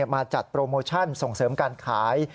มาจัดโปรโมชั่นส่งเสริมการขาย